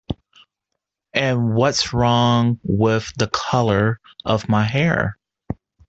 And what's wrong with the colour of my hair?